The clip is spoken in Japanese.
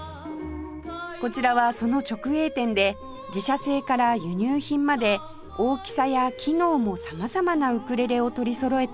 こちらはその直営店で自社製から輸入品まで大きさや機能も様々なウクレレを取りそろえています